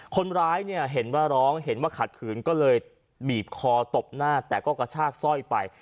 คนร้ายเนี่ยเห็นว่าร้องเห็นว่าขัดขืนก็เลยบีบคอตบหน้าแต่ก็กระชากสร้อยไป